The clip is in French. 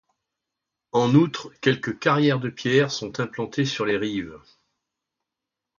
En outre, quelques carrières de pierre sont implantées sur ses rives.